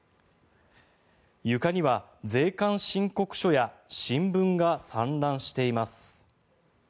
床には税関申告書や新聞が散乱しています。